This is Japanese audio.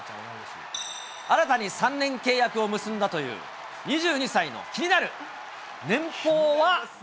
新たに３年契約を結んだという２２歳の気になる年俸は。